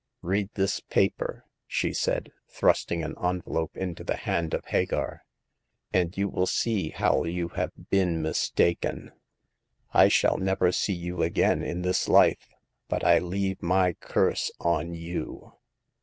Read this paper," she said, thrust ing an envelope into the hand of Hagar, " and you will see how you have been mistaken. I shall never see you again in this life ; but I leave my curse on you